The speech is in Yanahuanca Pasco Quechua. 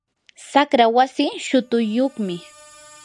saqra wasii shutuyyuqmi.